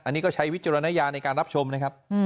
อันนี้ก็ใช้วิจารณญาณในการรับชมนะครับ